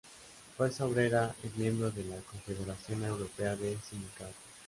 Fuerza Obrera es miembro de la Confederación Europea de Sindicatos.